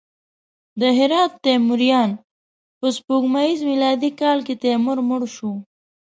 د هرات تیموریان: په سپوږمیز میلادي کال کې تیمور مړ شو.